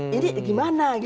jadi gimana gitu ya